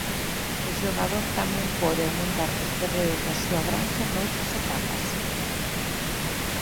O xogador tamén pode aumentar os terreos da súa granxa noutras etapas.